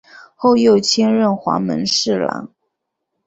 后又迁任黄门侍郎。